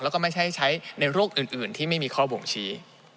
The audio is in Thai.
แล้วก็ไม่ใช้ในโรคอื่นไม่มีข้อบ่งชี